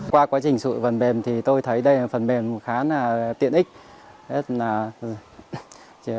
qua quá trình sụi phần mềm thì tôi thấy đây là phần mềm khá tiện ích